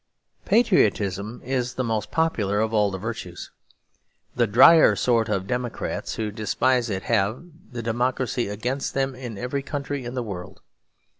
Patriotism is the most popular of all the virtues. The drier sort of democrats who despise it have the democracy against them in every country in the world.